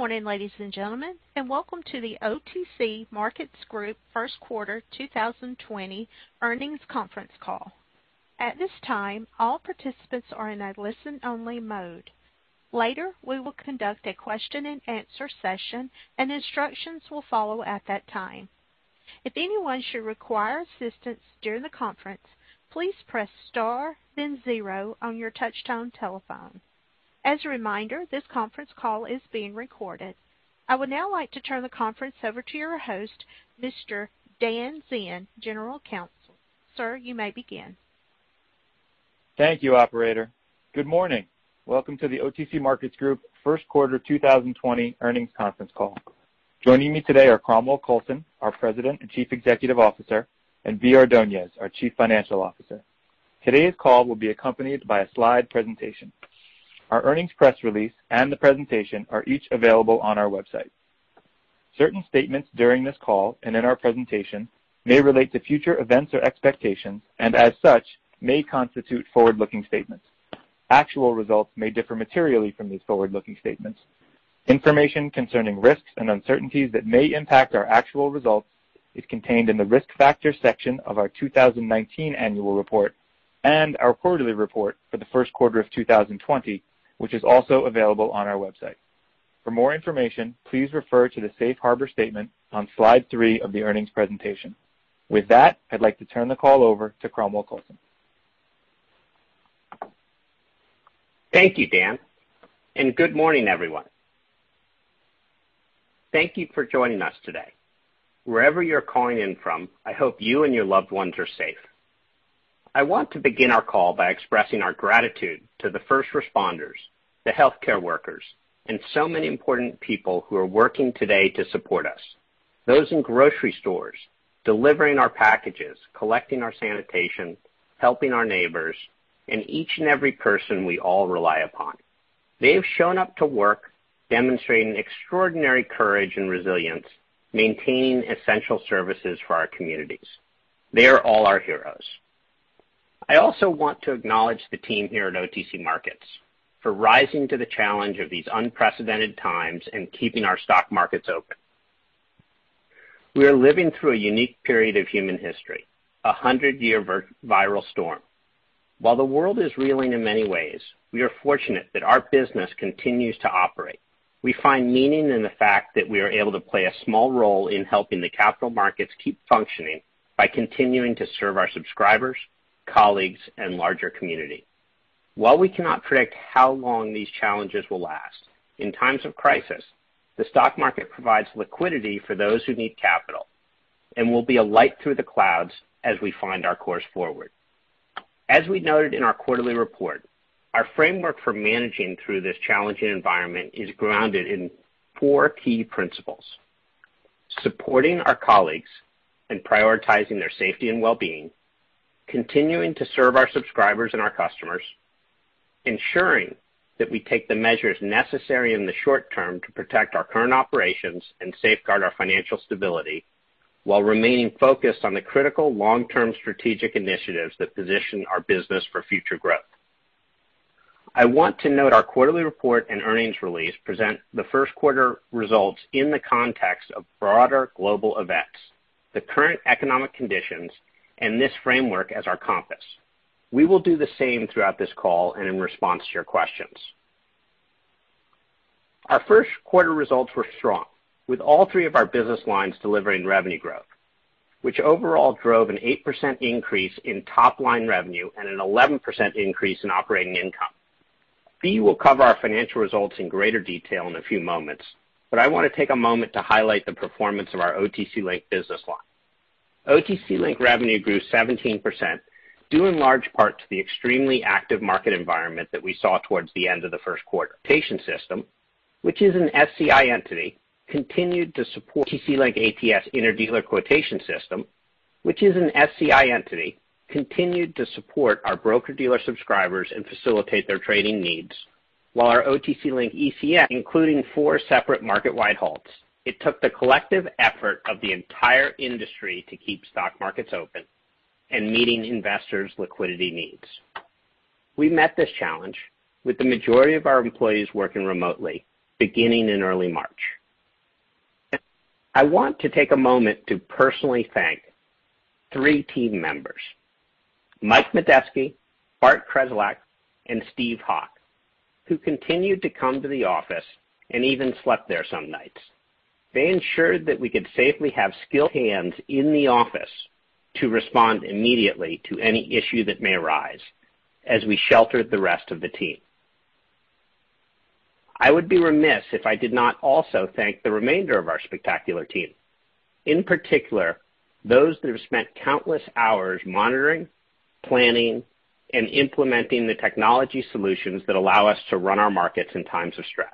Good morning, ladies and gentlemen, and welcome to the OTC Markets Group First Quarter 2020 Earnings Conference Call. At this time, all participants are in a listen-only mode. Later, we will conduct a question-and-answer session, and instructions will follow at that time. If anyone should require assistance during the conference, please press star, then zero, on your touch-tone telephone. As a reminder, this conference call is being recorded. I would now like to turn the conference over to your host, Mr. Dan Zinn, General Counsel. Sir, you may begin. Thank you, Operator. Good morning. Welcome to the OTC Markets Group First Quarter 2020 Earnings Conference Call. Joining me today are Cromwell Coulson, our President and Chief Executive Officer, and Bea Ordonez, our Chief Financial Officer. Today's call will be accompanied by a slide presentation. Our earnings press release and the presentation are each available on our website. Certain statements during this call and in our presentation may relate to future events or expectations, and as such, may constitute forward-looking statements. Actual results may differ materially from these forward-looking statements. Information concerning risks and uncertainties that may impact our actual results is contained in the Risk Factor section of our 2019 Annual Report and our Quarterly Report for the first quarter of 2020, which is also available on our website. For more information, please refer to the safe harbor statement on slide three of the earnings presentation. With that, I'd like to turn the call over to Cromwell Coulson. Thank you, Dan, and good morning, everyone. Thank you for joining us today. Wherever you're calling in from, I hope you and your loved ones are safe. I want to begin our call by expressing our gratitude to the first responders, the healthcare workers, and so many important people who are working today to support us. Those in grocery stores, delivering our packages, collecting our sanitation, helping our neighbors, and each and every person we all rely upon. They have shown up to work, demonstrating extraordinary courage and resilience, maintaining essential services for our communities. They are all our heroes. I also want to acknowledge the team here at OTC Markets for rising to the challenge of these unprecedented times and keeping our stock markets open. We are living through a unique period of human history, a hundred-year viral storm. While the world is reeling in many ways, we are fortunate that our business continues to operate. We find meaning in the fact that we are able to play a small role in helping the capital markets keep functioning by continuing to serve our subscribers, colleagues, and larger community. While we cannot predict how long these challenges will last, in times of crisis, the stock market provides liquidity for those who need capital and will be a light through the clouds as we find our course forward. As we noted in our quarterly report, our framework for managing through this challenging environment is grounded in four key principles: supporting our colleagues and prioritizing their safety and well-being, continuing to serve our subscribers and our customers, ensuring that we take the measures necessary in the short term to protect our current operations and safeguard our financial stability, while remaining focused on the critical long-term strategic initiatives that position our business for future growth. I want to note our quarterly report and earnings release present the first quarter results in the context of broader global events, the current economic conditions, and this framework as our compass. We will do the same throughout this call and in response to your questions. Our first quarter results were strong, with all three of our business lines delivering revenue growth, which overall drove an 8% increase in Top-line Revenue and an 11% increase in Operating Income. We will cover our financial results in greater detail in a few moments, but I want to take a moment to highlight the performance of our OTC Link Business line. OTC Link revenue grew 17%, due in large part to the extremely active market environment that we saw towards the end of the first quarter. Quotation system, which is an SCI entity, continued to support. OTC Link ATS Interdealer Quotation System, which is an SCI entity, continued to support our broker-dealer subscribers and facilitate their trading needs, while our OTC LINK ECN. Including four separate market-wide halts, it took the collective effort of the entire industry to keep stock markets open and meeting investors' liquidity needs. We met this challenge with the majority of our employees working remotely, beginning in early March. I want to take a moment to personally thank three team members: Mike Medeski, Bart Krezlak, and Steve Hawk, who continued to come to the office and even slept there some nights. They ensured that we could safely have skilled hands in the office to respond immediately to any issue that may arise as we sheltered the rest of the team. I would be remiss if I did not also thank the remainder of our spectacular team, in particular those that have spent countless hours monitoring, planning, and implementing the technology solutions that allow us to run our markets in times of stress.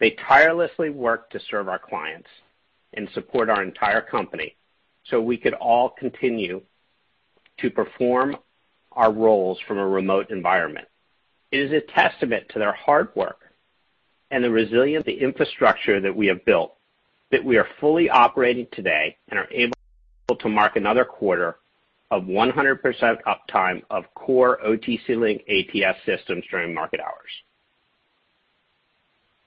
They tirelessly worked to serve our clients and support our entire company so we could all continue to perform our roles from a remote environment. It is a testament to their hard work and the resilience of the infrastructure that we have built that we are fully operating today and are able to mark another quarter of 100% uptime of core OTC Link ATS systems during market hours.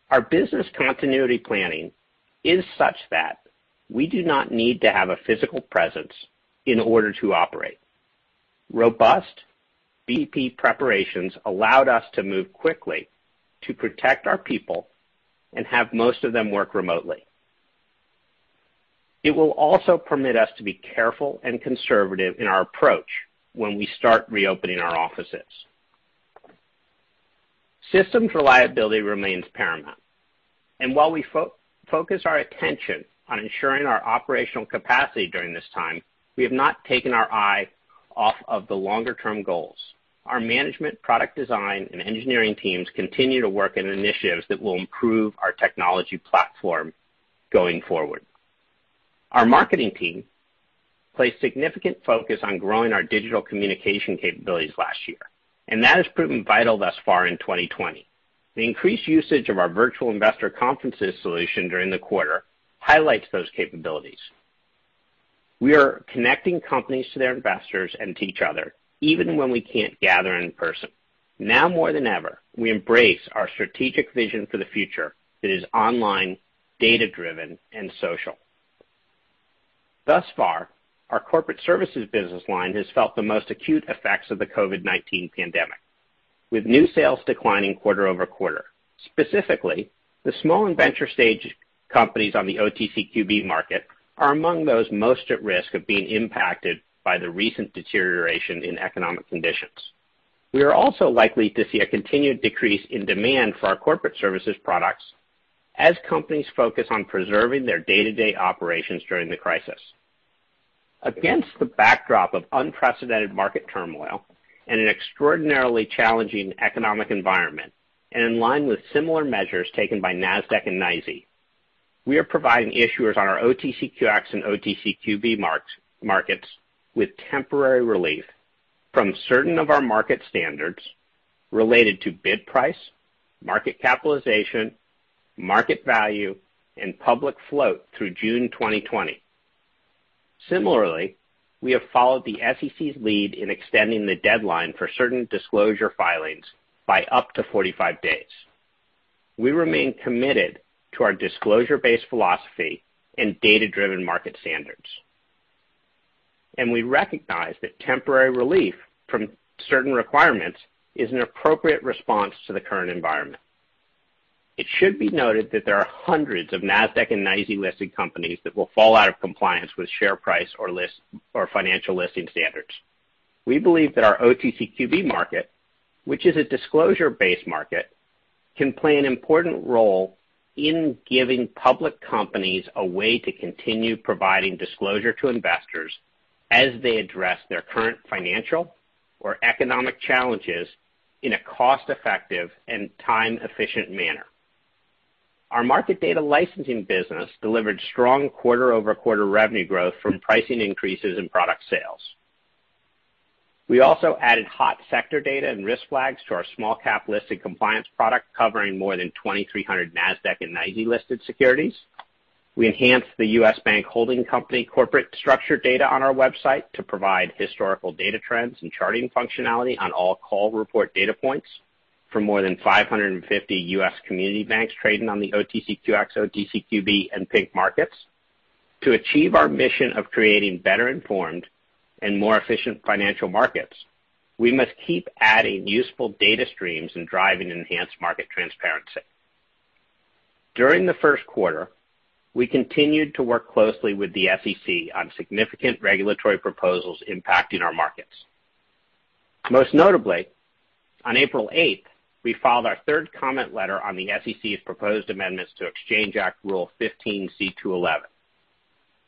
Our business continuity planning is such that we do not need to have a physical presence in order to operate. Robust BP preparations allowed us to move quickly to protect our people and have most of them work remotely. It will also permit us to be careful and conservative in our approach when we start reopening our offices. Systems reliability remains paramount, and while we focus our attention on ensuring our operational capacity during this time, we have not taken our eye off of the longer-term goals. Our management, product design, and engineering teams continue to work on initiatives that will improve our technology platform going forward. Our marketing team placed significant focus on growing our digital communication capabilities last year, and that has proven vital thus far in 2020. The increased usage of our Virtual Investor Conferences solution during the quarter highlights those capabilities. We are connecting companies to their investors and to each other, even when we can't gather in person. Now more than ever, we embrace our strategic vision for the future that is online, data-driven, and social. Thus far, our corporate services business line has felt the most acute effects of the COVID-19 pandemic, with new sales declining quarter over quarter. Specifically, the small and venture stage companies on the OTCQB market are among those most at risk of being impacted by the recent deterioration in economic conditions. We are also likely to see a continued decrease in demand for our corporate services products as companies focus on preserving their day-to-day operations during the crisis. Against the backdrop of unprecedented market turmoil and an extraordinarily challenging economic environment, and in line with similar measures taken by NASDAQ and NYSE, we are providing issuers on our OTCQX and OTCQB markets with temporary relief from certain of our market standards related to bid price, market capitalization, market value, and public float through June 2020. Similarly, we have followed the SEC's lead in extending the deadline for certain disclosure filings by up to 45 days. We remain committed to our disclosure-based philosophy and data-driven market standards, and we recognize that temporary relief from certain requirements is an appropriate response to the current environment. It should be noted that there are hundreds of NASDAQ and NYSE listed companies that will fall out of compliance with share price or financial listing standards. We believe that our OTCQB market, which is a disclosure-based market, can play an important role in giving public companies a way to continue providing disclosure to investors as they address their current financial or economic challenges in a cost-effective and time-efficient manner. Our market data licensing business delivered strong quarter-over-quarter revenue growth from pricing increases in product sales. We also added hot sector data and risk flags to our small-cap listed compliance product covering more than 2,300 NASDAQ and NYSE listed securities. We enhanced the U.S. Bank Holding Company corporate structure data on our website to provide historical data trends and charting functionality on all call report data points from more than 550 U.S. Community banks trading on the OTCQX, OTCQB, and Pink markets. To achieve our mission of creating better-informed and more efficient financial markets, we must keep adding useful data streams and driving enhanced market transparency. During the first quarter, we continued to work closely with the SEC on significant regulatory proposals impacting our markets. Most notably, on April 8th, we filed our third comment letter on the SEC's proposed amendments to Exchange Act Rule 15c2-11.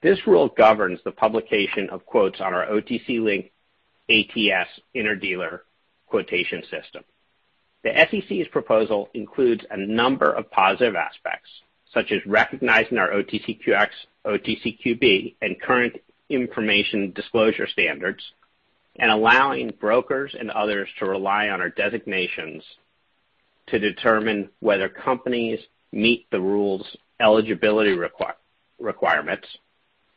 This rule governs the publication of quotes on our OTC Link ATS Interdealer Quotation System. The SEC's proposal includes a number of positive aspects, such as recognizing our OTCQX, OTCQB, and current information disclosure standards, and allowing brokers and others to rely on our designations to determine whether companies meet the rules' eligibility requirements.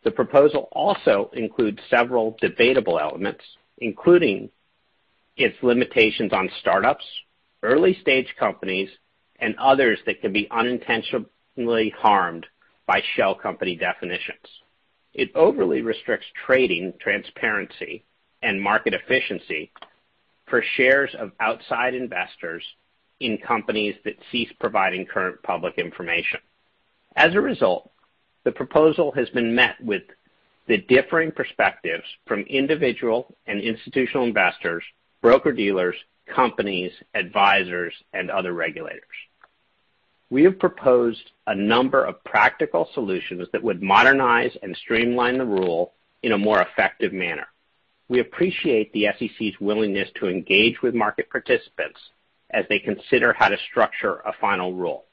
The proposal also includes several debatable elements, including its limitations on startups, early-stage companies, and others that can be unintentionally harmed by shell company definitions. It overly restricts trading transparency and market efficiency for shares of outside investors in companies that cease providing current public information. As a result, the proposal has been met with the differing perspectives from individual and institutional investors, broker-dealers, companies, advisors, and other regulators. We have proposed a number of practical solutions that would modernize and streamline the rule in a more effective manner. We appreciate the SEC's willingness to engage with market participants as they consider how to structure a final rule.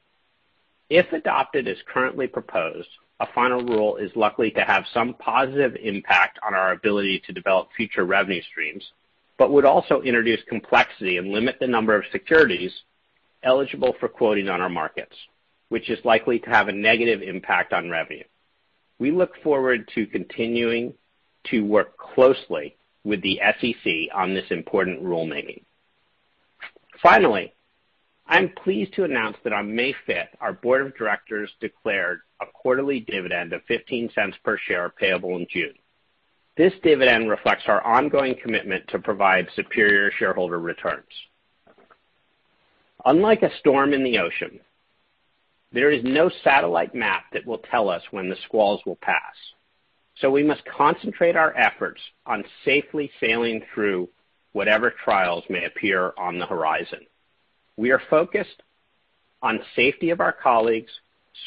If adopted as currently proposed, a final rule is likely to have some positive impact on our ability to develop future revenue streams but would also introduce complexity and limit the number of securities eligible for quoting on our markets, which is likely to have a negative impact on revenue. We look forward to continuing to work closely with the SEC on this important rulemaking. Finally, I'm pleased to announce that on May 5th, our board of directors declared a quarterly dividend of $0.15 per share payable in June. This dividend reflects our ongoing commitment to provide superior shareholder returns. Unlike a storm in the ocean, there is no satellite map that will tell us when the squalls will pass, so we must concentrate our efforts on safely sailing through whatever trials may appear on the horizon. We are focused on the safety of our colleagues,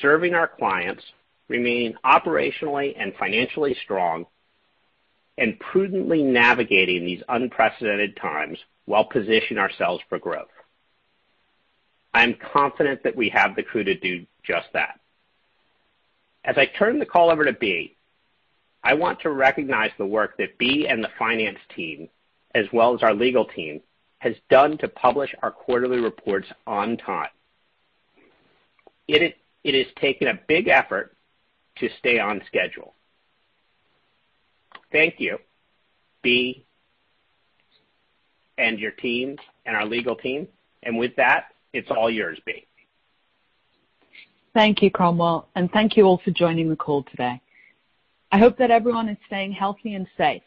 serving our clients, remaining operationally and financially strong, and prudently navigating these unprecedented times while positioning ourselves for growth. I am confident that we have the crew to do just that. As I turn the call over to Bea, I want to recognize the work that Bea and the finance team, as well as our legal team, have done to publish our quarterly reports on time. It has taken a big effort to stay on schedule. Thank you, Bea and your team and our legal team, and with that, it's all yours, Bea. Thank you, Cromwell, and thank you all for joining the call today. I hope that everyone is staying healthy and safe.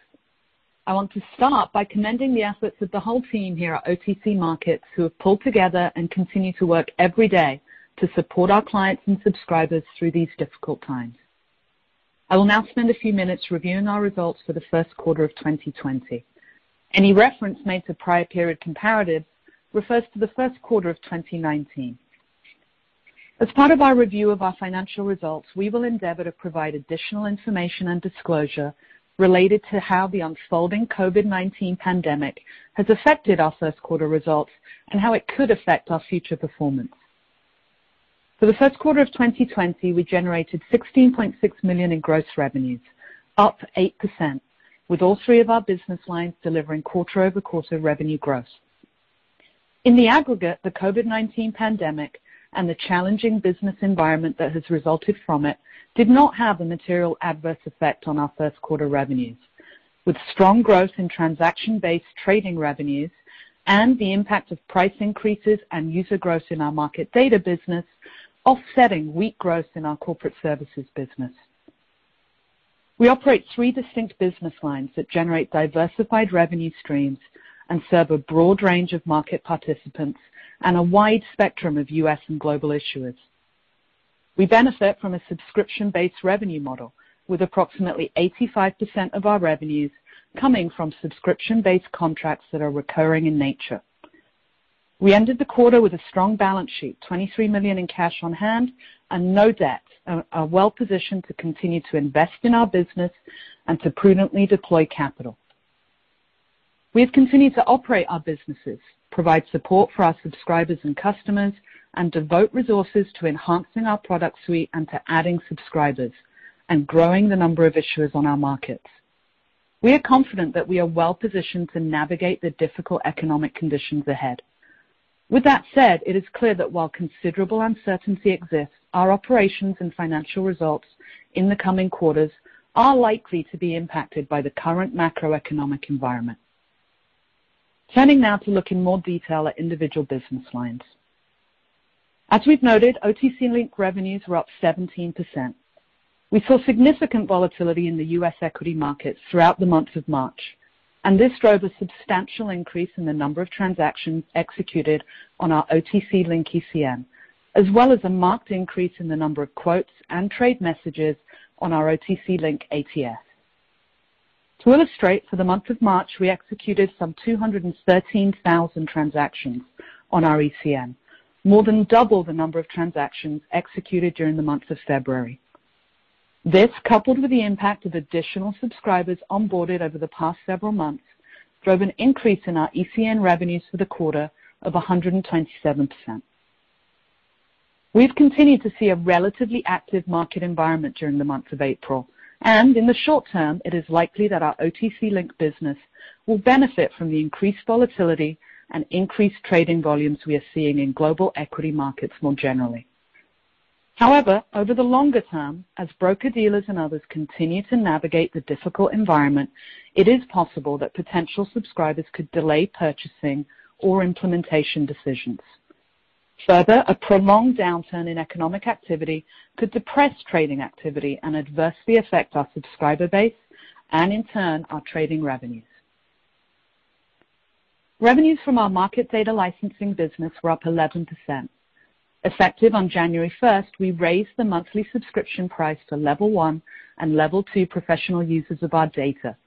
I want to start by commending the efforts of the whole team here at OTC Markets who have pulled together and continue to work every day to support our clients and subscribers through these difficult times. I will now spend a few minutes reviewing our results for the first quarter of 2020. Any reference made to prior period comparatives refers to the first quarter of 2019. As part of our review of our financial results, we will endeavor to provide additional information and disclosure related to how the unfolding COVID-19 pandemic has affected our first quarter results and how it could affect our future performance. For the first quarter of 2020, we generated $16.6 million in gross revenues, up 8%, with all three of our business lines delivering quarter-over-quarter revenue growth. In the aggregate, the COVID-19 pandemic and the challenging business environment that has resulted from it did not have a material adverse effect on our first quarter revenues, with strong growth in transaction-based trading revenues and the impact of price increases and user growth in our market data business offsetting weak growth in our corporate services business. We operate three distinct business lines that generate diversified revenue streams and serve a broad range of market participants and a wide spectrum of U.S. and global issuers. We benefit from a subscription-based revenue model, with approximately 85% of our revenues coming from subscription-based contracts that are recurring in nature. We ended the quarter with a strong balance sheet, $23 million in cash on hand and no debt, and are well-positioned to continue to invest in our business and to prudently deploy capital. We have continued to operate our businesses, provide support for our subscribers and customers, and devote resources to enhancing our product suite and to adding subscribers and growing the number of issuers on our markets. We are confident that we are well-positioned to navigate the difficult economic conditions ahead. With that said, it is clear that while considerable uncertainty exists, our operations and financial results in the coming quarters are likely to be impacted by the current macroeconomic environment. Turning now to look in more detail at individual business lines. As we've noted, OTC Link revenues were up 17%. We saw significant volatility in the U.S. Equity markets throughout the month of March, and this drove a substantial increase in the number of transactions executed on our OTC LINK ECN, as well as a marked increase in the number of quotes and trade messages on our OTC Link ATS. To illustrate, for the month of March, we executed some 213,000 transactions on our ECN, more than double the number of transactions executed during the month of February. This, coupled with the impact of additional subscribers onboarded over the past several months, drove an increase in our ECN revenues for the quarter of 127%. We've continued to see a relatively active market environment during the month of April, and in the short term, it is likely that our OTC Link Business will benefit from the increased volatility and increased trading volumes we are seeing in global equity markets more generally. However, over the longer term, as broker-dealers and others continue to navigate the difficult environment, it is possible that potential subscribers could delay purchasing or implementation decisions. Further, a prolonged downturn in economic activity could depress trading activity and adversely affect our subscriber base and, in turn, our trading revenues. Revenues from our market data licensing business were up 11%. Effective on January 1, we raised the monthly subscription price for Level 1 and Level 2 professional users of our data,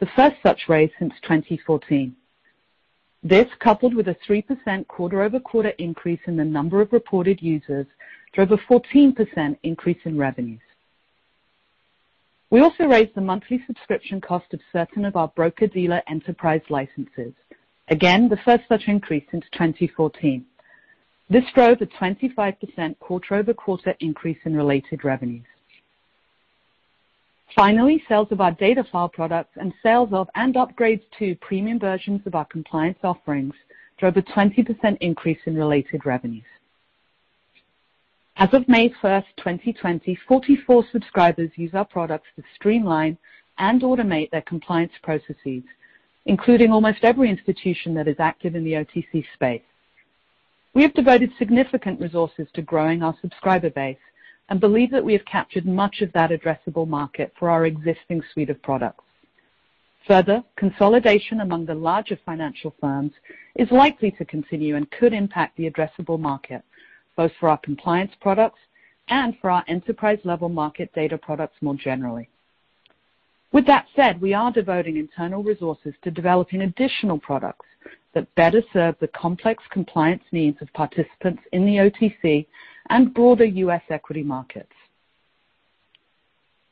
the first such raise since 2014. This, coupled with a 3% quarter-over-quarter increase in the number of reported users, drove a 14% increase in revenues. We also raised the monthly subscription cost of certain of our broker-dealer enterprise licenses, again the first such increase since 2014. This drove a 25% quarter-over-quarter increase in related revenues. Finally, sales of our data file products and sales of and upgrades to premium versions of our compliance offerings drove a 20% increase in related revenues. As of May 1st, 2020, 44 subscribers use our products to streamline and automate their compliance processes, including almost every institution that is active in the OTC space. We have devoted significant resources to growing our subscriber base and believe that we have captured much of that addressable market for our existing suite of products. Further, consolidation among the larger financial firms is likely to continue and could impact the addressable market, both for our compliance products and for our enterprise-level market data products more generally. With that said, we are devoting internal resources to developing additional products that better serve the complex compliance needs of participants in the OTC and broader U.S. equity markets.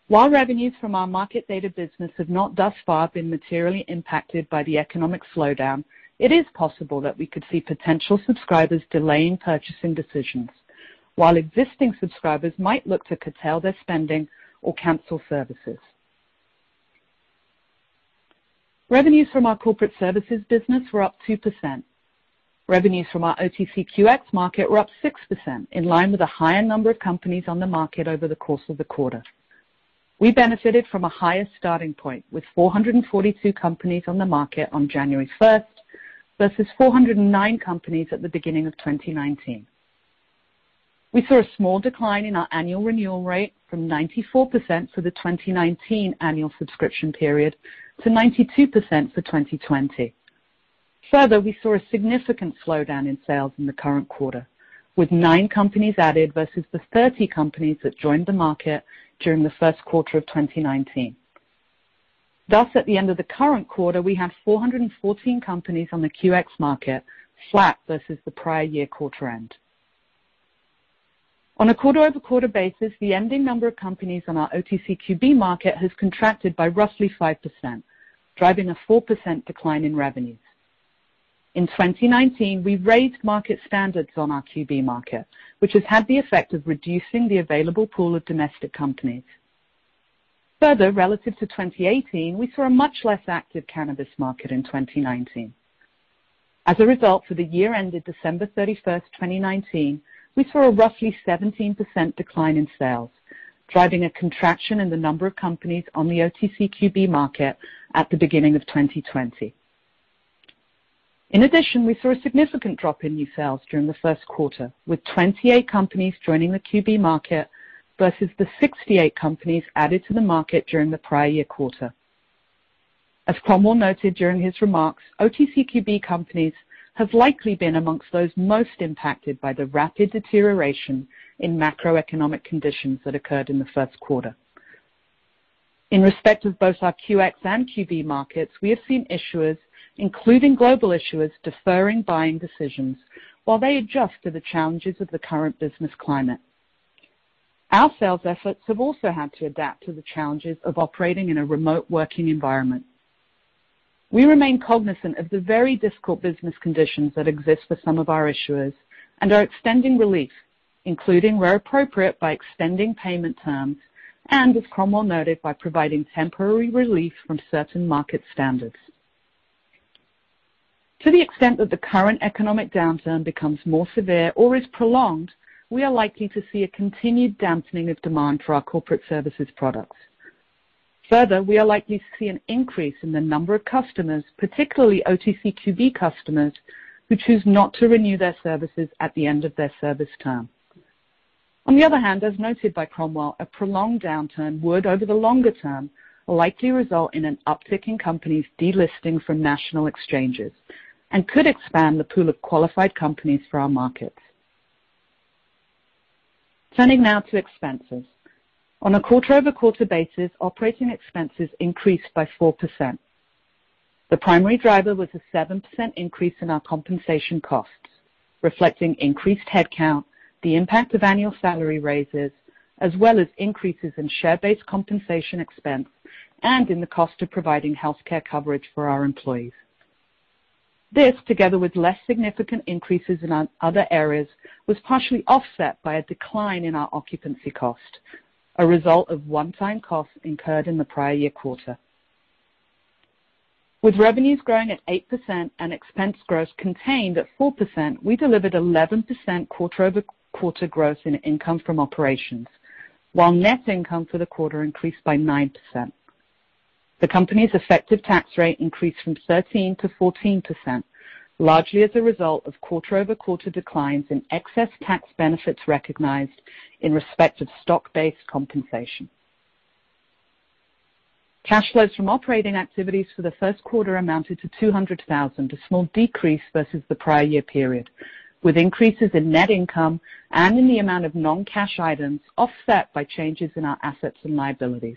While revenues from our market data business have not thus far been materially impacted by the economic slowdown, it is possible that we could see potential subscribers delaying purchasing decisions, while existing subscribers might look to curtail their spending or cancel services. Revenues from our corporate services business were up 2%. Revenues from our OTCQX market were up 6%, in line with a higher number of companies on the market over the course of the quarter. We benefited from a higher starting point, with 442 companies on the market on January 1st versus 409 companies at the beginning of 2019. We saw a small decline in our annual renewal rate from 94% for the 2019 annual subscription period to 92% for 2020. Further, we saw a significant slowdown in sales in the current quarter, with nine companies added versus the 30 companies that joined the market during the first quarter of 2019. Thus, at the end of the current quarter, we had 414 companies on the OTCQX market, flat versus the prior year quarter-end. On a quarter-over-quarter basis, the ending number of companies on our OTCQB market has contracted by roughly 5%, driving a 4% decline in revenues. In 2019, we raised market standards on our OTCQB market, which has had the effect of reducing the available pool of domestic companies. Further, relative to 2018, we saw a much less active cannabis market in 2019. As a result, for the year ended December 31st, 2019, we saw a roughly 17% decline in sales, driving a contraction in the number of companies on the OTCQB market at the beginning of 2020. In addition, we saw a significant drop in new sales during the first quarter, with 28 companies joining the OTCQB market versus the 68 companies added to the market during the prior year quarter. As Cromwell noted during his remarks, OTCQB companies have likely been amongst those most impacted by the rapid deterioration in macroeconomic conditions that occurred in the first quarter. In respect of both our OTCQX and OTCQB markets, we have seen issuers, including global issuers, deferring buying decisions while they adjust to the challenges of the current business climate. Our sales efforts have also had to adapt to the challenges of operating in a remote working environment. We remain cognizant of the very difficult business conditions that exist for some of our issuers and are extending relief, including where appropriate, by extending payment terms and, as Cromwell noted, by providing temporary relief from certain market standards. To the extent that the current economic downturn becomes more severe or is prolonged, we are likely to see a continued dampening of demand for our corporate services products. Further, we are likely to see an increase in the number of customers, particularly OTCQB customers, who choose not to renew their services at the end of their service term. On the other hand, as noted by Cromwell, a prolonged downturn would, over the longer term, likely result in an uptick in companies delisting from national exchanges and could expand the pool of qualified companies for our markets. Turning now to expenses. On a quarter-over-quarter basis, operating expenses increased by 4%. The primary driver was a 7% increase in our compensation costs, reflecting increased headcount, the impact of annual salary raises, as well as increases in share-based compensation expense and in the cost of providing healthcare coverage for our employees. This, together with less significant increases in other areas, was partially offset by a decline in our occupancy cost, a result of one-time costs incurred in the prior year quarter. With revenues growing at 8% and expense growth contained at 4%, we delivered 11% quarter-over-quarter growth in income from operations, while net income for the quarter increased by 9%. The company's effective tax rate increased from 13% to 14%, largely as a result of quarter-over-quarter declines in excess tax benefits recognized in respect of stock-based compensation. Cash flows from operating activities for the first quarter amounted to $200,000, a small decrease versus the prior year period, with increases in net income and in the amount of non-cash items offset by changes in our assets and liabilities.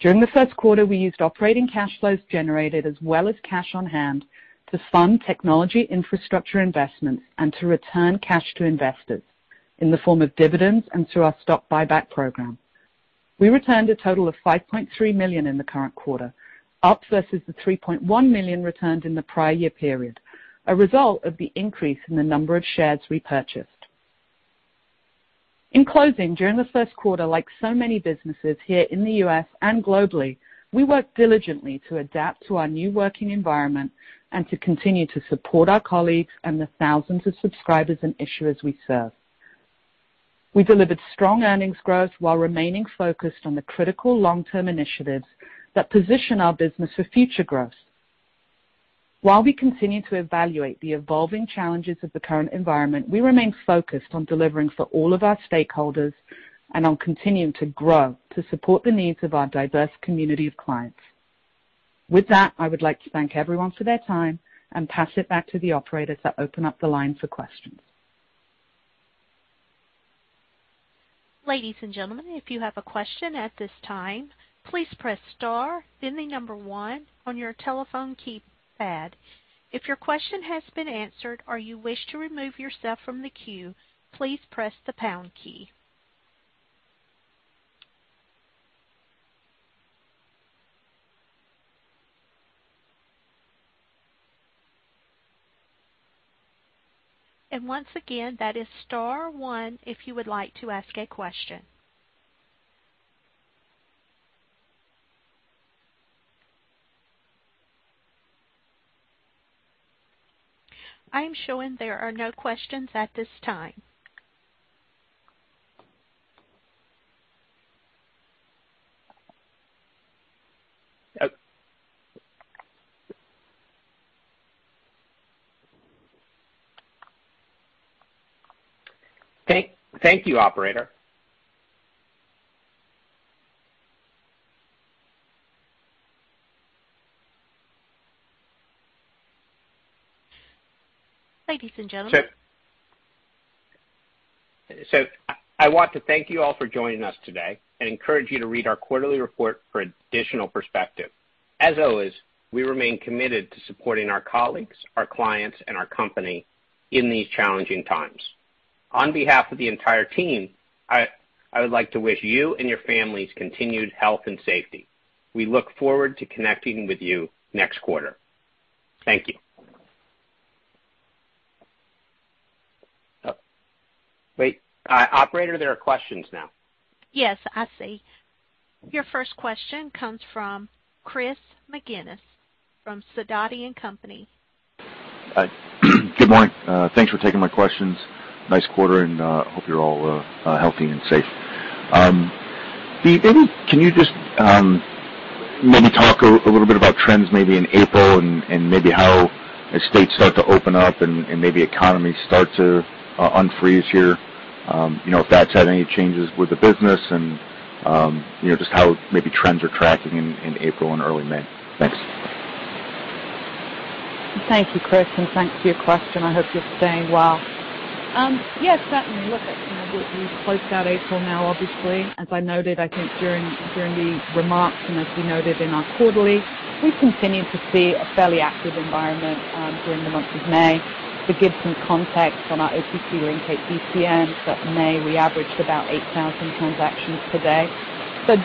During the first quarter, we used operating cash flows generated, as well as cash on hand, to fund technology infrastructure investments and to return cash to investors in the form of dividends and through our stock buyback program. We returned a total of $5.3 million in the current quarter, up versus the $3.1 million returned in the prior year period, a result of the increase in the number of shares repurchased. In closing, during the first quarter, like so many businesses here in the U.S. and globally, we worked diligently to adapt to our new working environment and to continue to support our colleagues and the thousands of subscribers and issuers we serve. We delivered strong earnings growth while remaining focused on the critical long-term initiatives that position our business for future growth. While we continue to evaluate the evolving challenges of the current environment, we remain focused on delivering for all of our stakeholders and on continuing to grow to support the needs of our diverse community of clients. With that, I would like to thank everyone for their time and pass it back to the operators to open up the line for questions. Ladies and gentlemen, if you have a question at this time, please press star, then the number one on your telephone keypad. If your question has been answered or you wish to remove yourself from the queue, please press the pound key. Once again, that is star one if you would like to ask a question. I am showing there are no questions at this time. Thank you, operator. Ladies and gentlemen. I want to thank you all for joining us today and encourage you to read our quarterly report for additional perspective. As always, we remain committed to supporting our colleagues, our clients, and our company in these challenging times. On behalf of the entire team, I would like to wish you and your families continued health and safety. We look forward to connecting with you next quarter. Thank you. Wait, operator, there are questions now. Yes, I see. Your first question comes from Chris McGinnis from SIDOTI & Company. Good morning. Thanks for taking my questions. Nice quarter, and I hope you're all healthy and safe. Can you just maybe talk a little bit about trends maybe in April and maybe how estates start to open up and maybe economies start to unfreeze here, if that's had any changes with the business and just how maybe trends are tracking in April and early May? Thanks. Thank you, Chris, and thanks for your question. I hope you're staying well. Yes, certainly. Look, we've closed out April now, obviously. As I noted, I think during the remarks and as we noted in our quarterly, we've continued to see a fairly active environment during the month of May. To give some context on our OTC LINK ECN, that May we averaged about 8,000 transactions per day.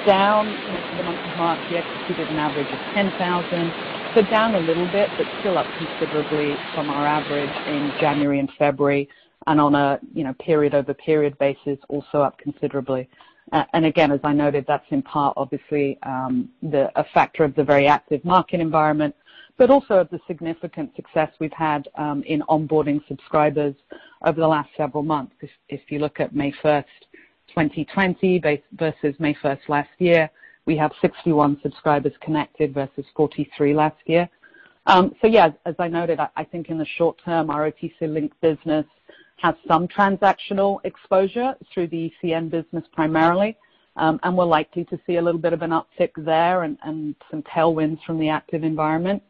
Down from the month of March, we executed an average of 10,000. Down a little bit, but still up considerably from our average in January and February and on a period-over-period basis, also up considerably. As I noted, that's in part, obviously, a factor of the very active market environment, but also of the significant success we've had in onboarding subscribers over the last several months. If you look at May 1, 2020 versus May 1st last year, we have 61 subscribers connected versus 43 last year. Yeah, as I noted, I think in the short term, our OTC Link Business has some transactional exposure through the ECN business primarily, and we're likely to see a little bit of an uptick there and some tailwinds from the active environment.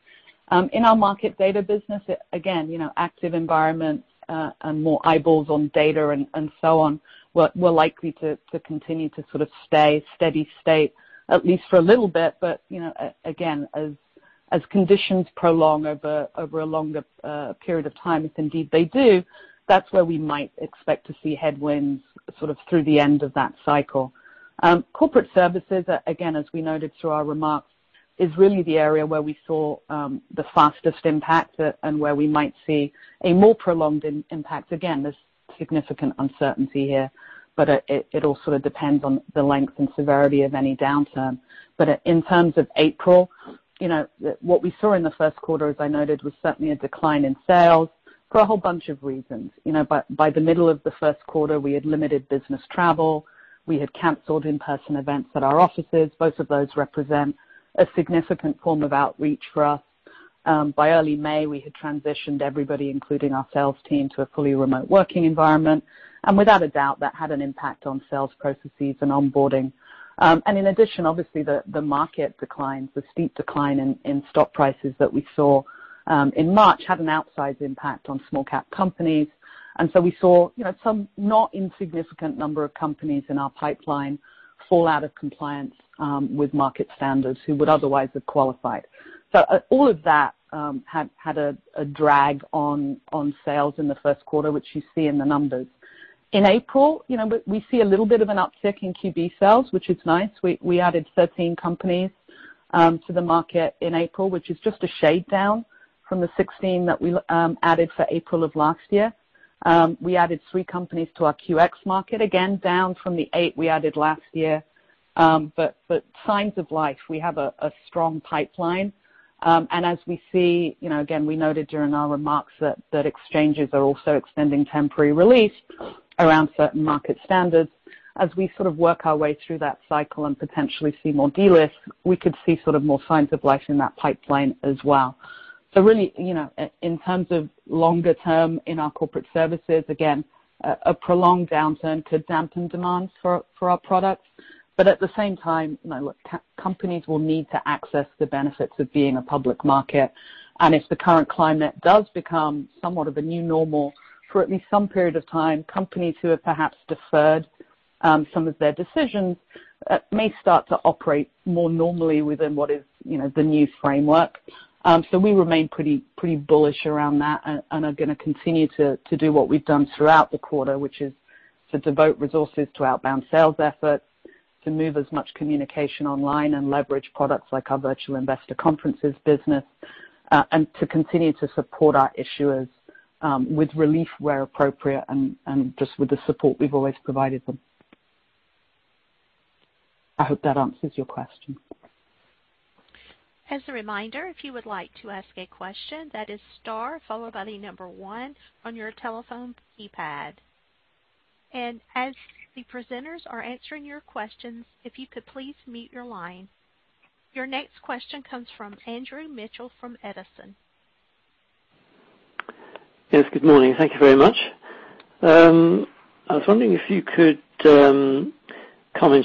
In our market data business, again, active environments and more eyeballs on data and so on will likely continue to sort of stay steady state, at least for a little bit. Again, as conditions prolong over a longer period of time, if indeed they do, that is where we might expect to see headwinds sort of through the end of that cycle. Corporate services, again, as we noted through our remarks, is really the area where we saw the fastest impact and where we might see a more prolonged impact. Again, there is significant uncertainty here, but it all sort of depends on the length and severity of any downturn. In terms of April, what we saw in the first quarter, as I noted, was certainly a decline in sales for a whole bunch of reasons. By the middle of the first quarter, we had limited business travel. We had canceled in-person events at our offices. Both of those represent a significant form of outreach for us. By early May, we had transitioned everybody, including our sales team, to a fully remote working environment. Without a doubt, that had an impact on sales processes and onboarding. In addition, obviously, the market declines, the steep decline in stock prices that we saw in March had an outsized impact on small-cap companies. We saw some not insignificant number of companies in our pipeline fall out of compliance with market standards who would otherwise have qualified. All of that had a drag on sales in the first quarter, which you see in the numbers. In April, we see a little bit of an uptick in OTCQB sales, which is nice. We added 13 companies to the market in April, which is just a shade down from the 16 that we added for April of last year. We added three companies to our OTCQX market, again, down from the eight we added last year. Signs of life. We have a strong pipeline. As we see, again, we noted during our remarks that exchanges are also extending temporary relief around certain market standards. As we sort of work our way through that cycle and potentially see more delists, we could see more signs of life in that pipeline as well. Really, in terms of longer term in our corporate services, again, a prolonged downturn could dampen demand for our products. At the same time, look, companies will need to access the benefits of being a public market. If the current climate does become somewhat of a new normal for at least some period of time, companies who have perhaps deferred some of their decisions may start to operate more normally within what is the new framework. We remain pretty bullish around that and are going to continue to do what we've done throughout the quarter, which is to devote resources to outbound sales efforts, to move as much communication online and leverage products like our Virtual Investor Conferences business, and to continue to support our issuers with relief where appropriate and just with the support we've always provided them. I hope that answers your question. As a reminder, if you would like to ask a question, that is star followed by the number one on your telephone keypad. As the presenters are answering your questions, if you could please mute your line. Your next question comes from Andrew Mitchell from Edison. Yes, good morning. Thank you very much. I was wondering if you could comment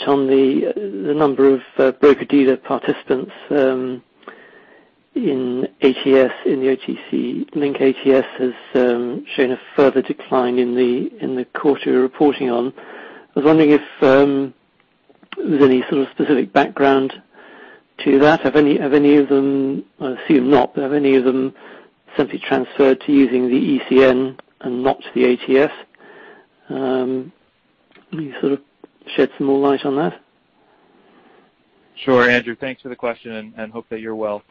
on the number of broker-dealer participants in OTC Link ATS has shown a further decline in the quarter you're reporting on. I was wondering if there's any sort of specific background to that. Have any of them, I assume not, but have any of them simply transferred to using the ECN and not the ATS? Can you sort of shed some more light on that? Sure, Andrew. Thanks for the question and hope that you're well.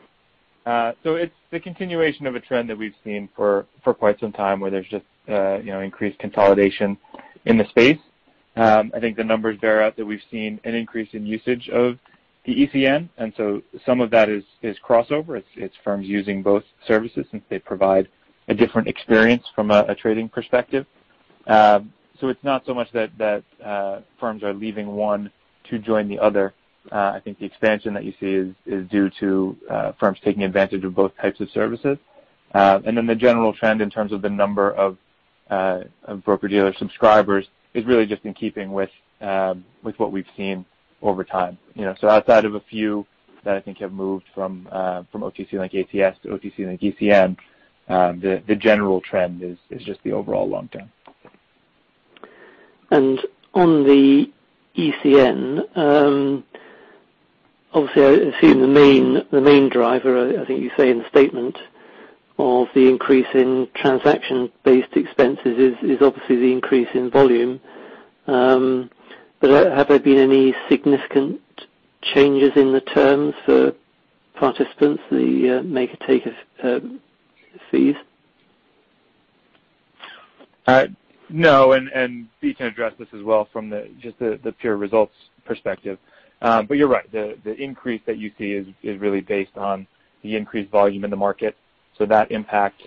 It's the continuation of a trend that we've seen for quite some time where there's just increased consolidation in the space. I think the numbers bear out that we've seen an increase in usage of the ECN. Some of that is crossover. It's firms using both services since they provide a different experience from a trading perspective. It's not so much that firms are leaving one to join the other. I think the expansion that you see is due to firms taking advantage of both types of services. The general trend in terms of the number of broker-dealer subscribers is really just in keeping with what we've seen over time. Outside of a few that I think have moved from OTC Link ATS to OTC LINK ECN, the general trend is just the overall long term. On the ECN, obviously, I assume the main driver, I think you say in the statement, of the increase in transaction-based expenses is obviously the increase in volume. Have there been any significant changes in the terms for participants, the make or take of fees? No. We can address this as well from just the pure results perspective. You're right. The increase that you see is really based on the increased volume in the market. That impacts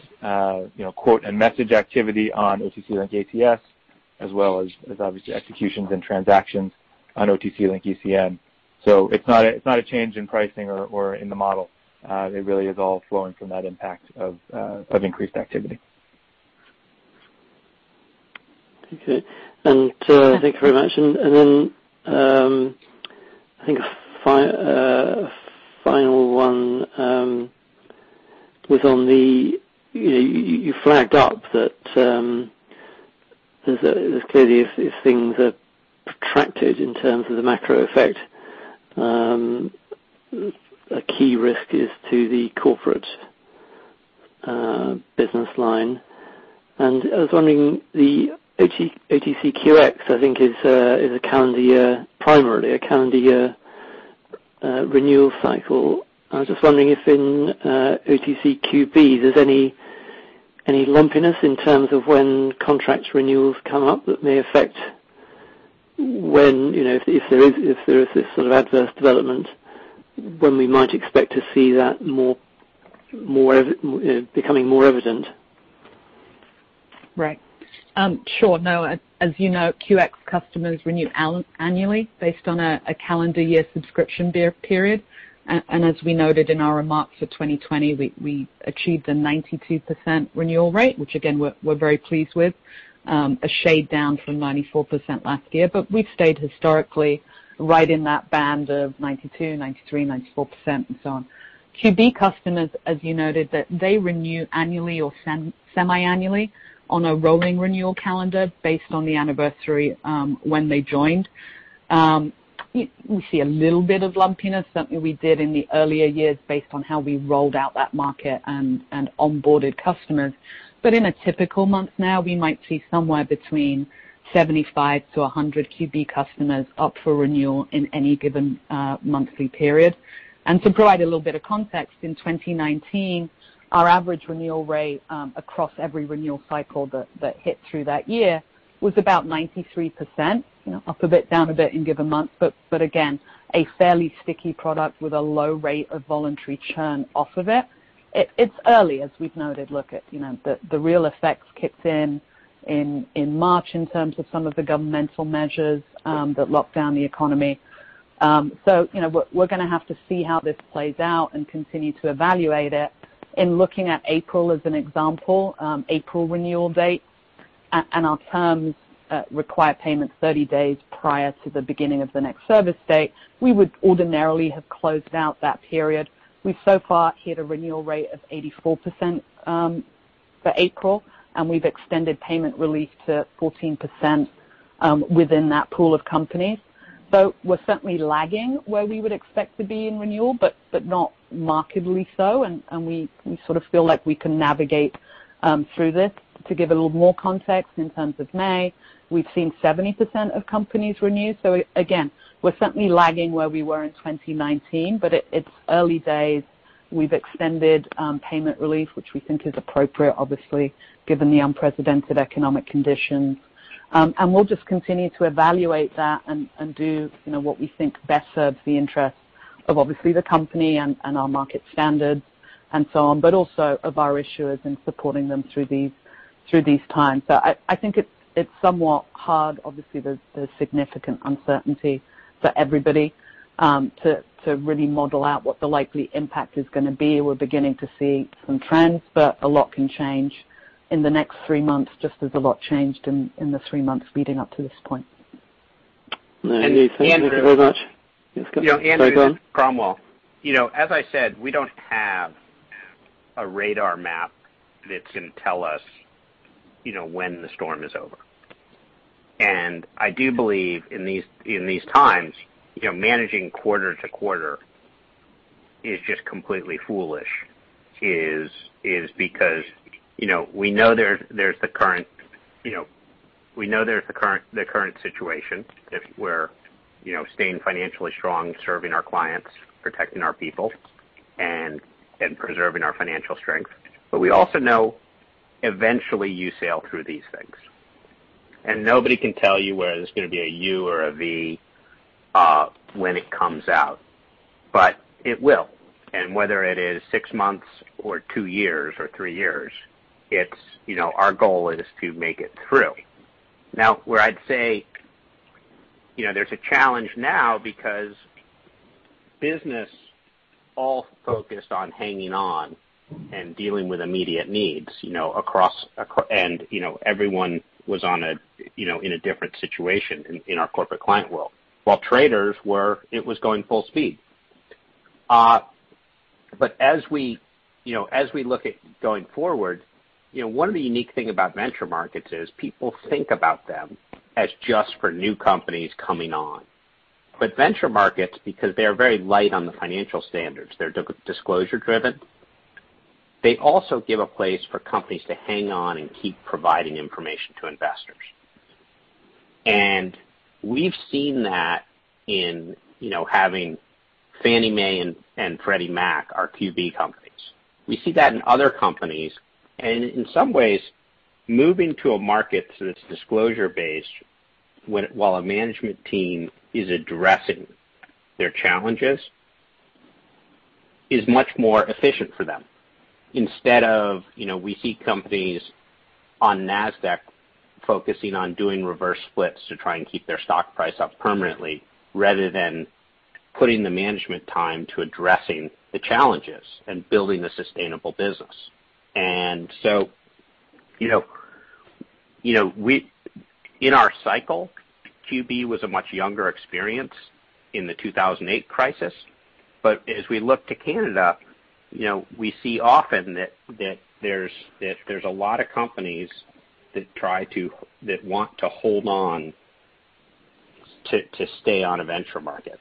quote and message activity on OTC Link ATS, as well as obviously executions and transactions on OTC LINK ECN. It's not a change in pricing or in the model. It really is all flowing from that impact of increased activity. Thank you very much. I think a final one was on the, you flagged up that there's clearly, if things are protracted in terms of the macro effect, a key risk is to the corporate business line. I was wondering, the OTCQX, I think, is a calendar year, primarily a calendar year renewal cycle. I was just wondering if in OTCQB, there's any lumpiness in terms of when contract renewals come up that may affect when if there is this sort of adverse development, when we might expect to see that becoming more evident. Right. Sure. No. As you know, OTCQX customers renew annually based on a calendar year subscription period. As we noted in our remarks for 2020, we achieved a 92% renewal rate, which again, we're very pleased with, a shade down from 94% last year. We've stayed historically right in that band of 92-94%, and so on. OTCQB customers, as you noted, they renew annually or semi-annually on a rolling renewal calendar based on the anniversary when they joined. We see a little bit of lumpiness, something we did in the earlier years based on how we rolled out that market and onboarded customers. In a typical month now, we might see somewhere between 75-100 OTCQB customers up for renewal in any given monthly period. To provide a little bit of context, in 2019, our average renewal rate across every renewal cycle that hit through that year was about 93%, up a bit, down a bit in given months. Again, a fairly sticky product with a low rate of voluntary churn off of it. It's early, as we've noted. Look, the real effects kicked in in March in terms of some of the governmental measures that locked down the economy. We are going to have to see how this plays out and continue to evaluate it. In looking at April as an example, April renewal date and our terms require payment 30 days prior to the beginning of the next service date, we would ordinarily have closed out that period. We so far hit a renewal rate of 84% for April, and we have extended payment release to 14% within that pool of companies. We are certainly lagging where we would expect to be in renewal, but not markedly so. We sort of feel like we can navigate through this. To give a little more context in terms of May, we have seen 70% of companies renew. We are certainly lagging where we were in 2019, but it is early days. We have extended payment release, which we think is appropriate, obviously, given the unprecedented economic conditions. We will just continue to evaluate that and do what we think best serves the interests of obviously the company and our market standards and so on, but also of our issuers and supporting them through these times. I think it is somewhat hard, obviously, there is significant uncertainty for everybody to really model out what the likely impact is going to be. We are beginning to see some trends, but a lot can change in the next three months, just as a lot changed in the three months leading up to this point. Andrew, thank you very much. Yes, go ahead. Yes, go ahead. Yeah, Andrew, Cromwell. As I said, we do not have a radar map that is going to tell us when the storm is over. I do believe in these times, managing quarter to quarter is just completely foolish because we know there is the current situation where staying financially strong, serving our clients, protecting our people, and preserving our financial strength. We also know eventually you sail through these things. Nobody can tell you whether there is going to be a U or a V when it comes out. It will. Whether it is six months or two years or three years, our goal is to make it through. Now, I would say there is a challenge now because business all focused on hanging on and dealing with immediate needs across, and everyone was in a different situation in our corporate client world. While traders were, it was going full speed. As we look at going forward, one of the unique things about venture markets is people think about them as just for new companies coming on. Venture markets, because they are very light on the financial standards, are disclosure-driven. They also give a place for companies to hang on and keep providing information to investors. We have seen that in having Fannie Mae and Freddie Mac, our OTCQB companies. We see that in other companies. In some ways, moving to a market that is disclosure-based while a management team is addressing their challenges is much more efficient for them. Instead of seeing companies on NASDAQ focusing on doing reverse splits to try and keep their stock price up permanently rather than putting the management time to addressing the challenges and building a sustainable business. In our cycle, OTCQB was a much younger experience in the 2008 crisis. As we look to Canada, we see often that there are a lot of companies that want to hold on to stay on a venture market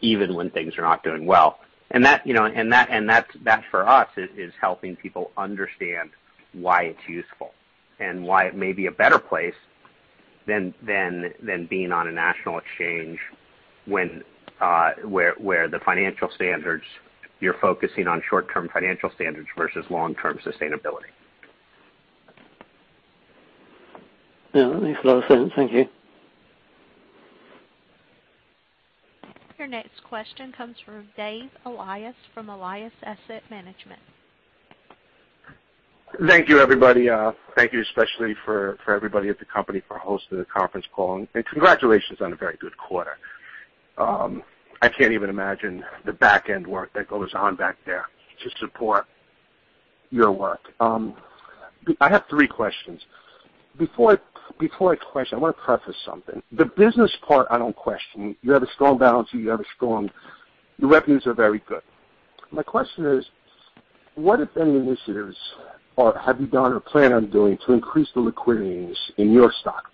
even when things are not doing well. That for us is helping people understand why it is useful and why it may be a better place than being on a national exchange where the financial standards, you are focusing on short-term financial standards versus long-term sustainability. Yeah, that makes a lot of sense. Thank you. Your next question comes from Dave Elias from Elias Asset Management. Thank you, everybody. Thank you especially for everybody at the company for hosting the conference call. Congratulations on a very good quarter. I cannot even imagine the backend work that goes on back there to support your work. I have three questions. Before I question, I want to preface something. The business part, I don't question. You have a strong balance sheet. You have a strong, your revenues are very good. My question is, what, if any, initiatives have you done or plan on doing to increase the liquidity in your stock?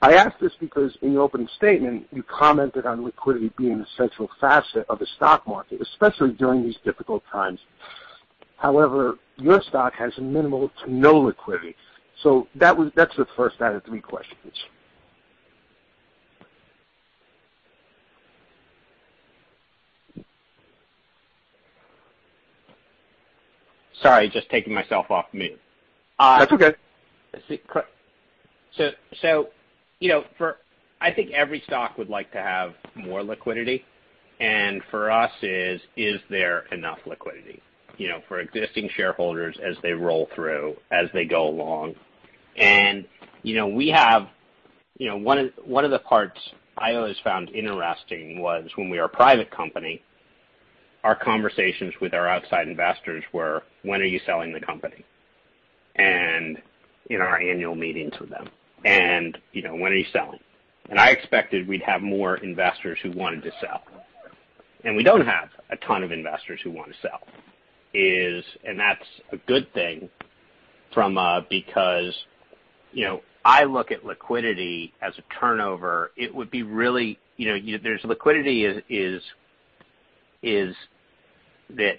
I ask this because in your opening statement, you commented on liquidity being an essential facet of the stock market, especially during these difficult times. However, your stock has minimal to no liquidity. That is the first out of three questions. Sorry, just taking myself off mute. That is okay. I think every stock would like to have more liquidity. For us, is there enough liquidity for existing shareholders as they roll through, as they go along? One of the parts I always found interesting was when we were a private company, our conversations with our outside investors were, "When are you selling the company?" In our annual meetings with them, "And when are you selling?" I expected we'd have more investors who wanted to sell. We do not have a ton of investors who want to sell. That is a good thing from us because I look at liquidity as a turnover. There is liquidity in that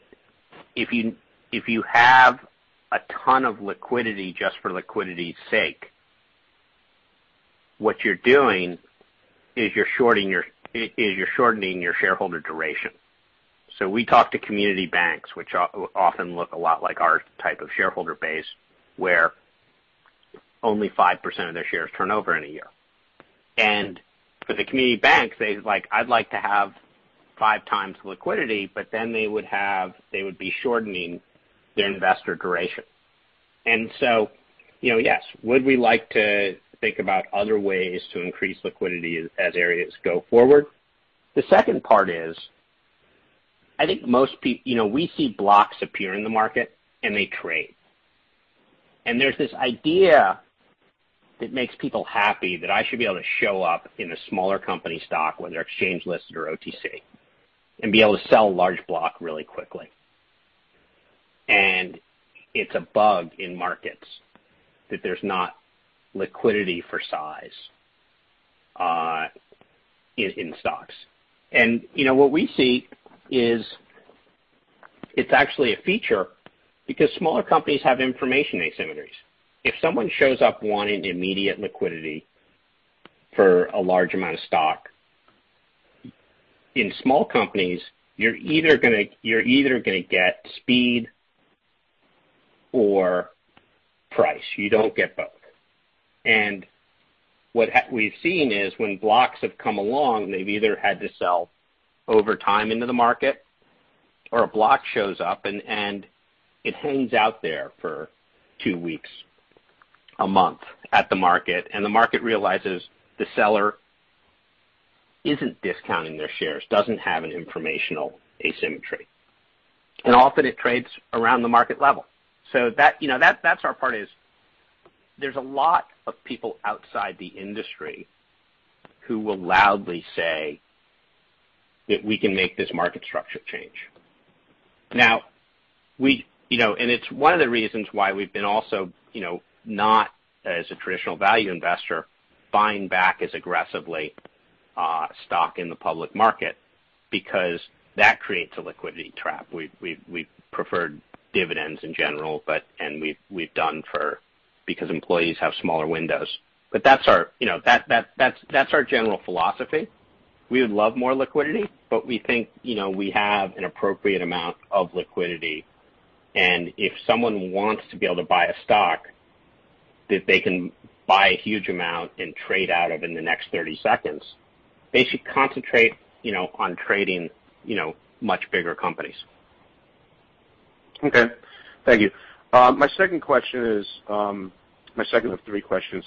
if you have a ton of liquidity just for liquidity's sake, what you are doing is you are shortening your shareholder duration. We talk to community banks, which often look a lot like our type of shareholder base, where only 5% of their shares turn over in a year. For the community banks, they're like, "I'd like to have five times liquidity," but then they would be shortening their investor duration. Yes, would we like to think about other ways to increase liquidity as areas go forward? The second part is, I think most people, we see blocks appear in the market, and they trade. There's this idea that makes people happy that I should be able to show up in a smaller company stock, whether exchange-listed or OTC, and be able to sell large block really quickly. It's a bug in markets that there's not liquidity for size in stocks. What we see is it's actually a feature because smaller companies have information asymmetries. If someone shows up wanting immediate liquidity for a large amount of stock, in small companies, you're either going to get speed or price. You don't get both. What we've seen is when blocks have come along, they've either had to sell over time into the market, or a block shows up, and it hangs out there for two weeks, a month at the market, and the market realizes the seller isn't discounting their shares, doesn't have an informational asymmetry. Often it trades around the market level. That's our part. There are a lot of people outside the industry who will loudly say that we can make this market structure change. It is one of the reasons why we've been also not, as a traditional value investor, buying back as aggressively stock in the public market because that creates a liquidity trap. We prefer dividends in general, and we've done for because employees have smaller windows. That's our general philosophy. We would love more liquidity, but we think we have an appropriate amount of liquidity. If someone wants to be able to buy a stock that they can buy a huge amount and trade out of in the next 30 seconds, they should concentrate on trading much bigger companies. Okay. Thank you. My second question is my second of three questions.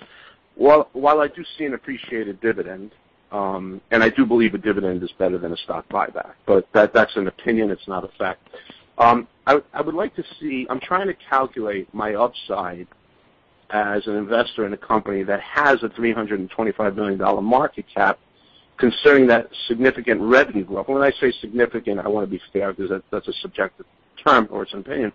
While I do see an appreciated dividend, and I do believe a dividend is better than a stock buyback, but that's an opinion. It's not a fact. I would like to see I'm trying to calculate my upside as an investor in a company that has a $325 million market cap concerning that significant revenue growth. When I say significant, I want to be fair because that's a subjective term or it's an opinion.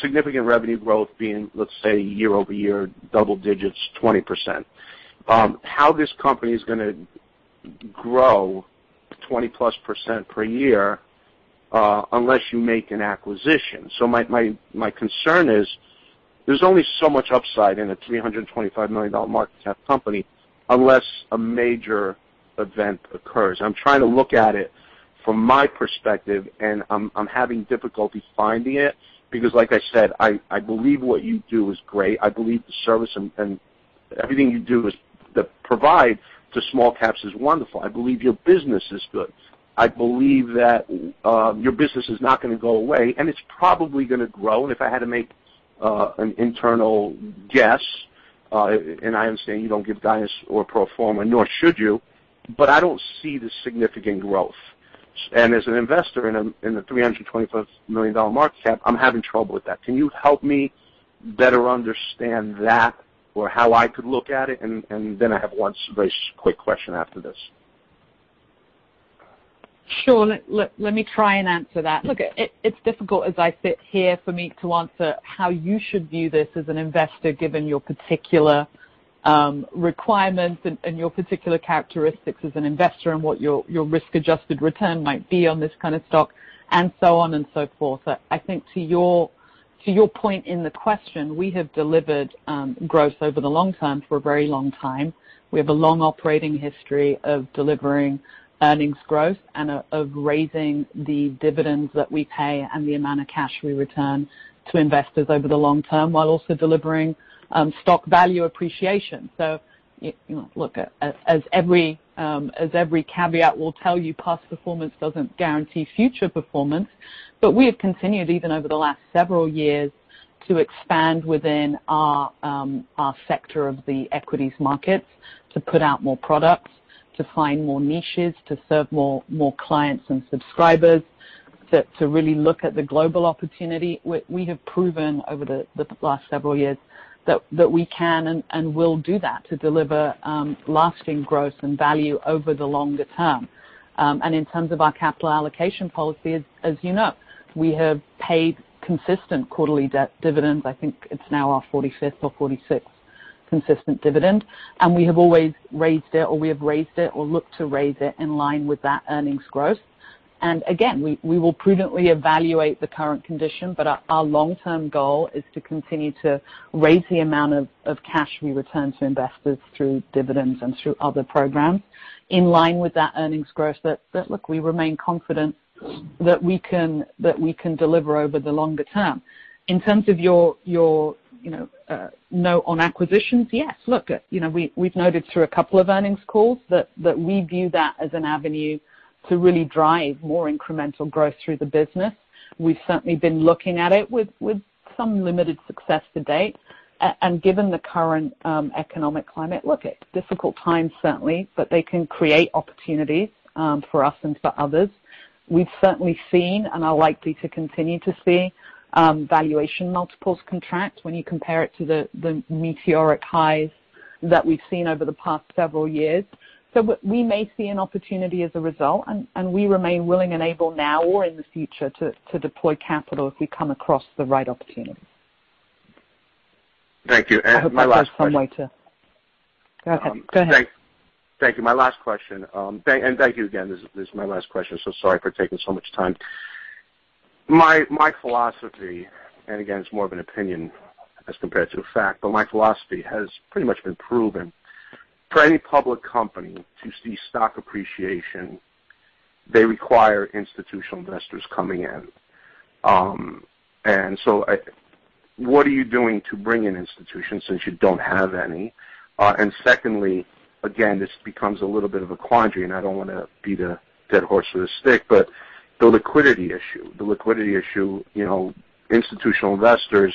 Significant revenue growth being, let's say, year-over-year, double digits, 20%. How this company is going to grow 20+% per year unless you make an acquisition. My concern is there's only so much upside in a $325 million market cap company unless a major event occurs. I'm trying to look at it from my perspective, and I'm having difficulty finding it because, like I said, I believe what you do is great. I believe the service and everything you do provide to small caps is wonderful. I believe your business is good. I believe that your business is not going to go away, and it's probably going to grow. If I had to make an internal guess, and I understand you don't give guidance or pro forma, nor should you, but I don't see the significant growth. As an investor in a $325 million market cap, I'm having trouble with that. Can you help me better understand that or how I could look at it? I have one very quick question after this. Sure. Let me try and answer that. Look, it's difficult as I sit here for me to answer how you should view this as an investor given your particular requirements and your particular characteristics as an investor and what your risk-adjusted return might be on this kind of stock and so on and so forth. I think to your point in the question, we have delivered growth over the long term for a very long time. We have a long operating history of delivering earnings growth and of raising the dividends that we pay and the amount of cash we return to investors over the long term while also delivering stock value appreciation. Look, as every caveat will tell you, past performance does not guarantee future performance. We have continued even over the last several years to expand within our sector of the equities markets to put out more products, to find more niches, to serve more clients and subscribers, to really look at the global opportunity. We have proven over the last several years that we can and will do that to deliver lasting growth and value over the longer term. In terms of our capital allocation policy, as you know, we have paid consistent quarterly dividends. I think it is now our 45th or 46th consistent dividend. We have always raised it, or we have raised it, or looked to raise it in line with that earnings growth. We will prudently evaluate the current condition, but our long-term goal is to continue to raise the amount of cash we return to investors through dividends and through other programs in line with that earnings growth that, look, we remain confident that we can deliver over the longer term. In terms of your note on acquisitions, yes. Look, we have noted through a couple of earnings calls that we view that as an avenue to really drive more incremental growth through the business. We have certainly been looking at it with some limited success to date. Given the current economic climate, look, it is difficult times, certainly, but they can create opportunities for us and for others. We have certainly seen and are likely to continue to see valuation multiples contract when you compare it to the meteoric highs that we have seen over the past several years. We may see an opportunity as a result, and we remain willing and able now or in the future to deploy capital if we come across the right opportunity. Thank you. My last question. I hope there is some way to go ahead. Thank you. My last question. Thank you again. This is my last question. Sorry for taking so much time. My philosophy, and again, it is more of an opinion as compared to a fact, but my philosophy has pretty much been proven. For any public company to see stock appreciation, they require institutional investors coming in. What are you doing to bring in institutions since you do not have any? Secondly, this becomes a little bit of a quandary, and I do not want to beat a dead horse with a stick, but the liquidity issue. The liquidity issue, institutional investors,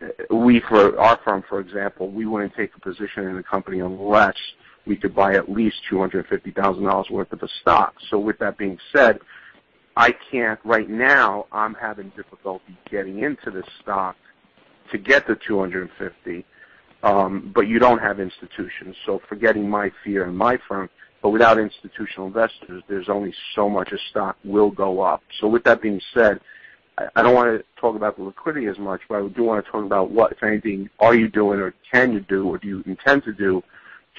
our firm, for example, we wouldn't take a position in a company unless we could buy at least $250,000 worth of a stock. With that being said, right now, I'm having difficulty getting into this stock to get the $250,000, but you don't have institutions. Forgetting my fear in my firm, but without institutional investors, there's only so much a stock will go up. With that being said, I don't want to talk about the liquidity as much, but I do want to talk about what, if anything, are you doing or can you do or do you intend to do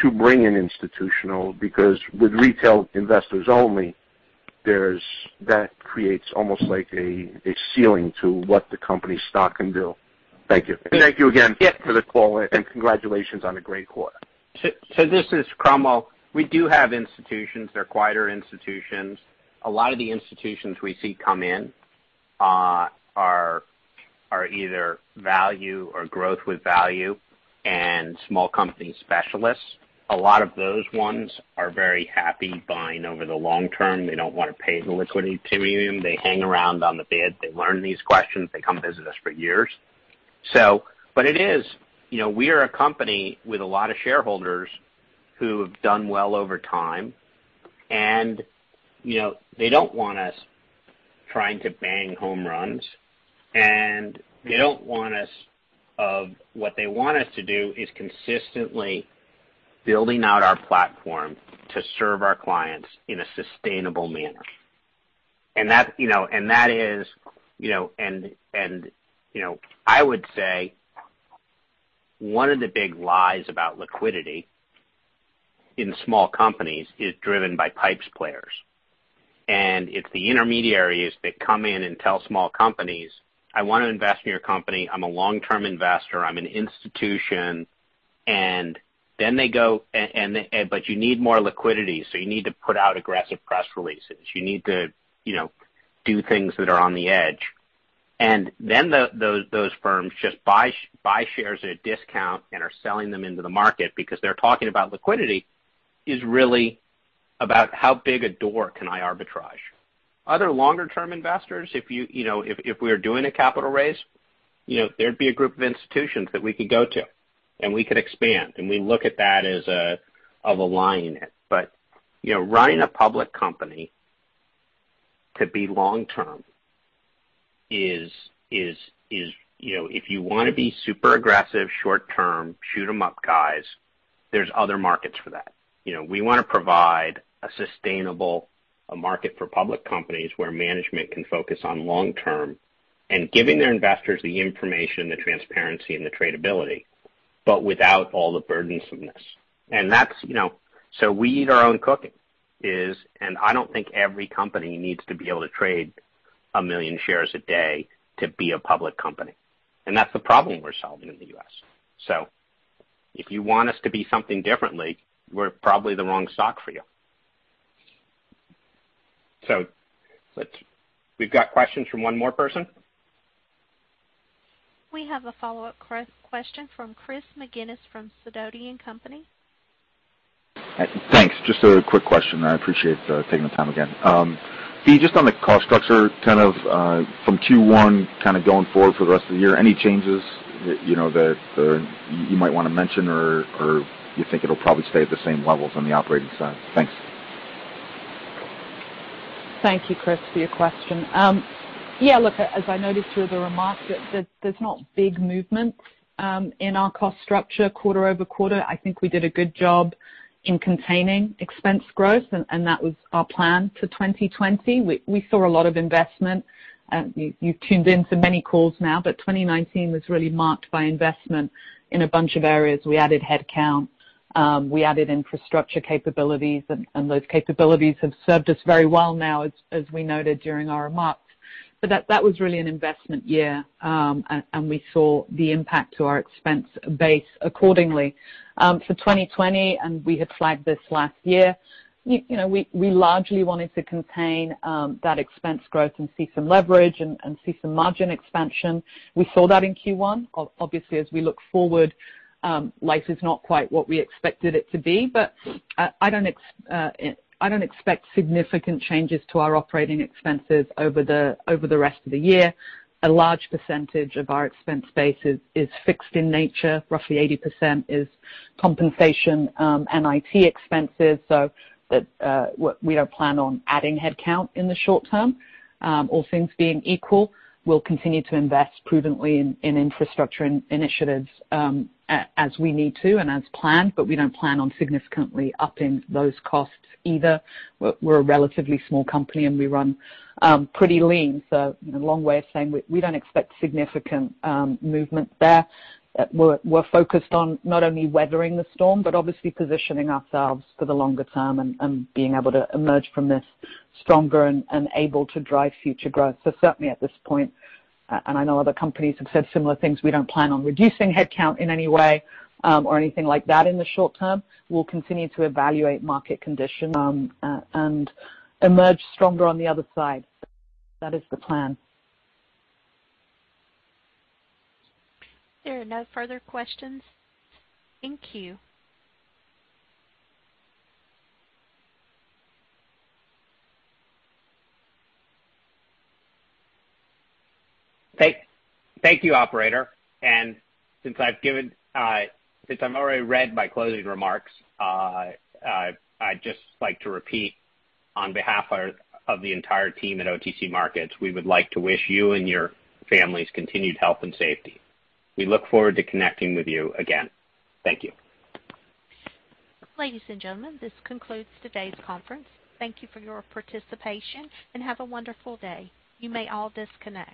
to bring in institutional because with retail investors only, that creates almost like a ceiling to what the company's stock can do. Thank you. Thank you again for the call, and congratulations on a great quarter. This is Cromwell. We do have institutions. They're quieter institutions. A lot of the institutions we see come in are either value or growth with value and small company specialists. A lot of those ones are very happy buying over the long term. They don't want to pay the liquidity premium. They hang around on the bid. They learn these questions. They come visit us for years. It is we are a company with a lot of shareholders who have done well over time, and they don't want us trying to bang home runs. They don't want us. What they want us to do is consistently building out our platform to serve our clients in a sustainable manner. I would say one of the big lies about liquidity in small companies is driven by pipes players. It's the intermediaries that come in and tell small companies, "I want to invest in your company. I'm a long-term investor. I'm an institution." They go, "But you need more liquidity, so you need to put out aggressive press releases. You need to do things that are on the edge." Those firms just buy shares at a discount and are selling them into the market because they're talking about liquidity is really about how big a door can I arbitrage. Other longer-term investors, if we were doing a capital raise, there'd be a group of institutions that we could go to, and we could expand. We look at that as a line in it. Running a public company to be long-term is, if you want to be super aggressive short-term, shoot them up, guys. There's other markets for that. We want to provide a sustainable market for public companies where management can focus on long-term and giving their investors the information, the transparency, and the tradability, but without all the burdensomeness. We eat our own cooking. I do not think every company needs to be able to trade a million shares a day to be a public company. That is the problem we are solving in the U.S. If you want us to be something differently, we are probably the wrong stock for you. We have questions from one more person. We have a follow-up question from Chris McGinnis from SIDOTI & Company. Thanks. Just a quick question. I appreciate taking the time again. Just on the cost structure, kind of from Q1, kind of going forward for the rest of the year, any changes that you might want to mention or you think it'll probably stay at the same levels on the operating side? Thanks. Thank you, Chris, for your question. Yeah. Look, as I noted through the remarks, there's not big movements in our cost structure quarter over quarter. I think we did a good job in containing expense growth, and that was our plan for 2020. We saw a lot of investment. You've tuned into many calls now, but 2019 was really marked by investment in a bunch of areas. We added headcount. We added infrastructure capabilities, and those capabilities have served us very well now, as we noted during our remarks. That was really an investment year, and we saw the impact to our expense base accordingly. For 2020, and we had flagged this last year, we largely wanted to contain that expense growth and see some leverage and see some margin expansion. We saw that in Q1. Obviously, as we look forward, life is not quite what we expected it to be, but I do not expect significant changes to our operating expenses over the rest of the year. A large percentage of our expense base is fixed in nature. Roughly 80% is compensation and IT expenses. We do not plan on adding headcount in the short term. All things being equal, we will continue to invest prudently in infrastructure initiatives as we need to and as planned, but we do not plan on significantly upping those costs either. We are a relatively small company, and we run pretty lean. A long way of saying we do not expect significant movement there. We're focused on not only weathering the storm, but obviously positioning ourselves for the longer term and being able to emerge from this stronger and able to drive future growth. Certainly at this point, and I know other companies have said similar things, we don't plan on reducing headcount in any way or anything like that in the short term. We'll continue to evaluate market conditions. Emerge stronger on the other side. That is the plan. There are no further questions. Thank you. Thank you, operator. Since I've already read my closing remarks, I'd just like to repeat on behalf of the entire team at OTC Markets, we would like to wish you and your families continued health and safety. We look forward to connecting with you again. Thank you. Ladies and gentlemen, this concludes today's conference. Thank you for your participation and have a wonderful day. You may all disconnect.